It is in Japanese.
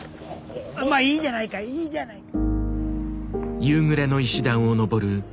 まあいいじゃないかいいじゃないか。